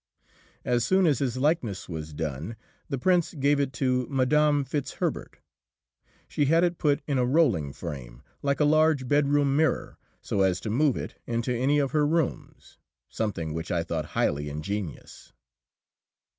As soon as his likeness was done the Prince gave it to Mme. Fitzherbert. She had it put in a rolling frame, like a large bedroom mirror, so as to move it into any of her rooms something which I thought highly ingenious.